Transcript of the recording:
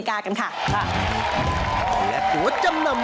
อยากได้กำลังใจไหม